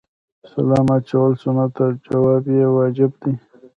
سلام اچول سنت او جواب یې واجب دی